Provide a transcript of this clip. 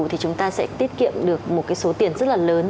thì chúng ta sẽ tiết kiệm được một cái số tiền rất là lớn